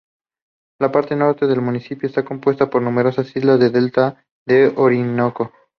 La parte norte del municipio está compuesta por numerosas islas del Delta del Orinoco.